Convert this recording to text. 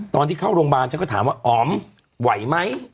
ตอนที่เข้าโรงพยาบาลฉันก็ถามว่าอ๋อมไหวไหม